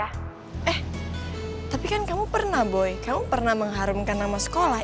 eh tapi kan kamu pernah boy kamu pernah mengharumkan nama sekolah